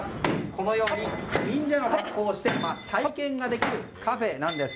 このように忍者の格好をして体験ができるカフェなんです。